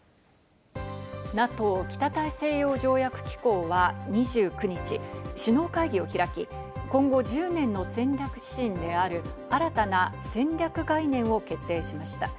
ＮＡＴＯ＝北大西洋条約機構は２９日、首脳会議を開き、今後１０年の戦略指針である新たな戦略概念を決定しました。